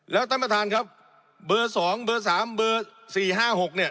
แล้วท่านประธานครับเบอร์สองเบอร์สามเบอร์สี่ห้าหกเนี่ย